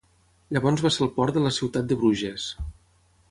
Llavors va ser el port de la ciutat de Bruges.